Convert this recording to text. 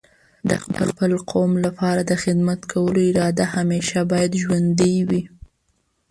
د خپل قوم لپاره د خدمت کولو اراده همیشه باید ژوندۍ وي.